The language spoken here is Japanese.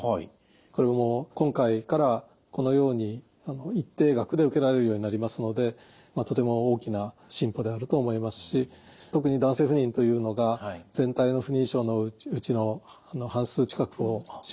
これも今回からこのように一定額で受けられるようになりますのでとても大きな進歩であると思いますし特に男性不妊というのが全体の不妊症のうちの半数近くを占めてることは間違いありませんので